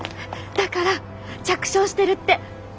だから着床してるって。